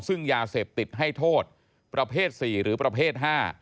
ซึ่งยาเสพติดให้โทษประเภท๔หรือประเภท๕